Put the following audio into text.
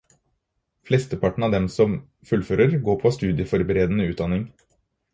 Flesteparten av dem som fullfører, går på studieforberedende utdanning.